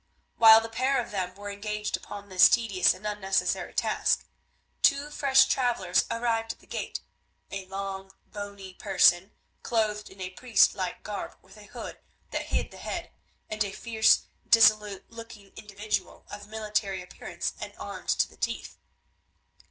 While the pair of them were engaged upon this tedious and unnecessary task, two fresh travellers arrived at the gate, a long, bony person, clothed in a priest like garb with a hood that hid the head, and a fierce, dissolute looking individual of military appearance and armed to the teeth.